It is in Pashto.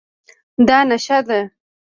دا شنه ده